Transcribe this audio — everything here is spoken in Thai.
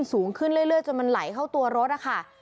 ก็สูงขึ้นสูงขึ้นเรื่อยจนมันไหลเข้าตัวรถอ่ะค่ะ